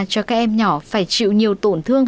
cho các em nhỏ phải chịu nhiều tổn thương